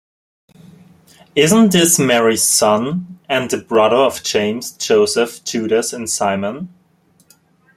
Isn't this Mary's son and the brother of James, Joseph, Judas and Simon?